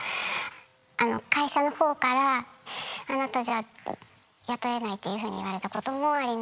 あの会社の方から「あなたじゃ雇えない」っていうふうに言われたこともあります。